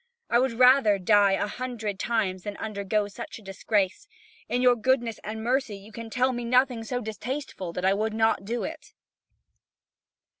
I would rather die a hundred times than undergo such a disgrace. In your goodness and mercy you can tell me nothing so distasteful that I will not do it."